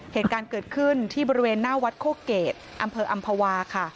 เหตุการณ์เกิดขึ้นที่บริเวณหน้าวัดโคเกตอำเภออำภาวาค่ะ